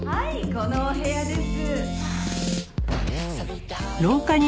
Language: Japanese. このお部屋です。